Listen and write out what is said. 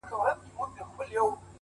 هغه وايي يو درد مي د وزير پر مخ گنډلی’